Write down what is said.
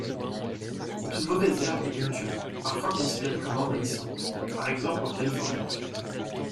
C'est une mauvaise herbe des cultures, parfois considérée comme envahissante, par exemple en Californie.